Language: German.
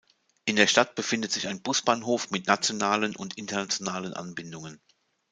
In der Stadt befindet sich ein Busbahnhof mit nationalen und internationalen Anbindungen.